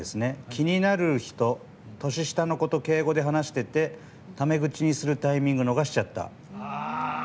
気になる子と年下の子と敬語で話しててタメ口にするタイミング逃しちゃった。